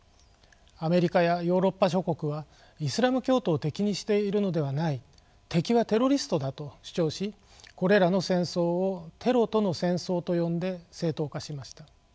アメリカやヨーロッパ諸国はイスラム教徒を敵にしているのではない敵はテロリストだと主張しこれらの戦争を「テロとの戦争」と呼んで正当化しました。